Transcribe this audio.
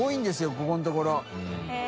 ここのところへぇ。